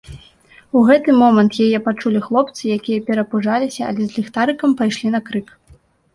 У гэты момант яе пачулі хлопцы, якія перапужаліся, але з ліхтарыкам пайшлі на крык.